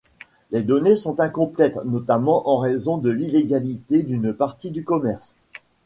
Les données sont incomplètes, notamment en raison de l'illégalité d'une partie du commerce.